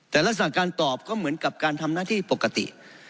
แต่ลักษณะการตอบก็เหมือนกับการทำหน้าที่ปกติ